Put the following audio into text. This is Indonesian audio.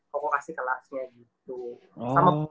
koko kasih kelasnya gitu